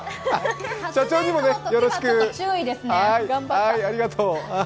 社長にもよろしく、ありがとう。